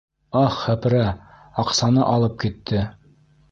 Ах, һәпрә, аҡсаны алып китте!